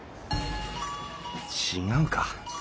違うか。